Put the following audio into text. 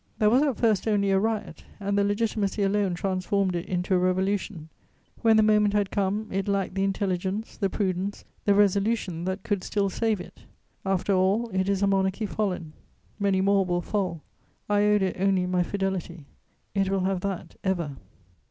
There was at first only a riot, and the Legitimacy alone transformed it into a revolution: when the moment had come, it lacked the intelligence, the prudence, the resolution that could still save it. After all, it is a monarchy fallen; many more will fall: I owed it only my fidelity; it will have that ever.